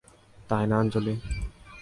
তাই না আঞ্জলি?